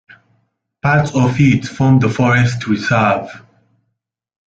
Parts of it form the Forest Reserve.